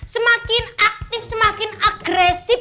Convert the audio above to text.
semakin aktif semakin agresif